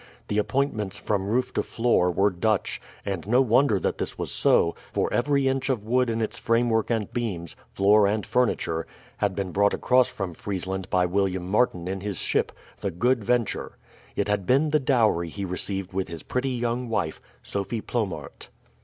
The appointments from roof to floor were Dutch; and no wonder that this was so, for every inch of wood in its framework and beams, floor and furniture, and had been brought across from Friesland by William Martin in his ship, the Good Venture. It had been the dowry he received with his pretty young wife, Sophie Plomaert.